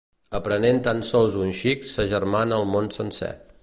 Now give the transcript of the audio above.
Aprenent tan sols un xic s'agermana el món sencer.